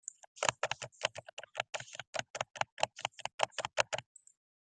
Solfaing system of arranging the scale of music by the names do, re, mi, fa, sol, la, si a voice exercise.